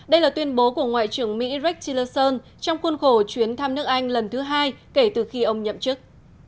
đây là tuyên bố của ngoại trưởng mỹ rackillerson trong khuôn khổ chuyến thăm nước anh lần thứ hai kể từ khi ông nhậm chức